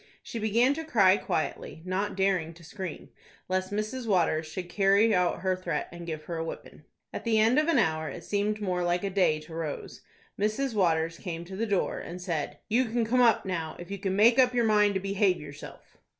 She began to cry quietly, not daring to scream, lest Mrs. Waters should carry out her threat and give her a whipping. At the end of an hour—it seemed more like a day to Rose—Mrs. Waters came to the door, and said, "You can come up now, if you can make up your mind to behave yourself."